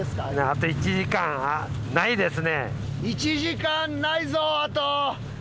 あと１時間ないですね。